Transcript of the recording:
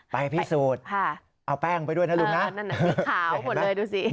ไปพิสูจน์เอาแป้งไปด้วยนะลุงนะใช่ไหมดูสิขาวหมดเลย